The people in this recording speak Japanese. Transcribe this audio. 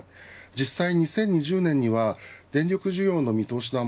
実際２０２０年には電力需要の見通しは